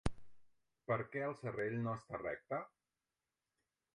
Per què el serrell no està recte?